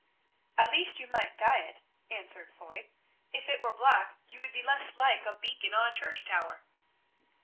"At least you might dye it," answered Foy; "if it were black you would be less like a beacon on a church tower."